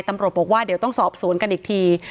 ตำรวจบอกว่าเดี๋ยวต้องสอบสวนกันอีกที